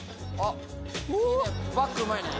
バックうまいね。